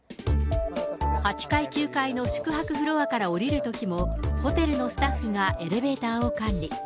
８階、９階の宿泊フロアから下りるときも、ホテルのスタッフがエレベーターを管理。